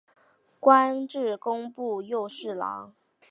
官至工部右侍郎。